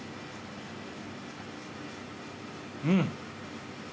うん。